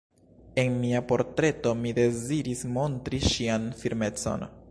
En mia portreto mi deziris montri ŝian firmecon.